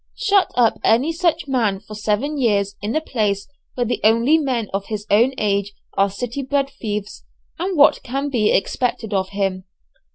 Shut up any such man for seven years in a place where the only men of his own age are city bred thieves, and what can be expected of him?